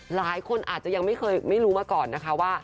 หลายคนอาจจะยังไม่เคยไม่รู้มาก่อนนะคะว่า